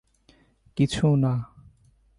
কিছু না।